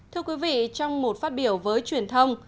thưa quý vị trong một phát biểu với truyền thông